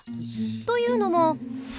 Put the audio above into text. というのも。